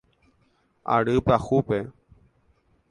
Ary Pyahúpe.